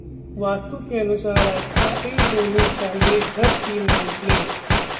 वास्तु के अनुसार, ऐसी होनी चाहिए घर की नेमप्लेट